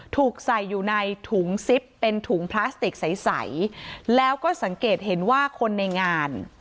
ถูกใส่อยู่ในถุงซิปเป็นถุงพลาสติกใสแล้วก็สังเกตเห็นว่าคนในงาน